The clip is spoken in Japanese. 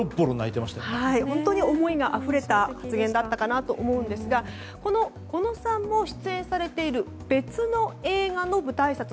本当に、思いがあふれた発言だったと思いますがこの尾野さんも出演されている別の映画の舞台あいさつ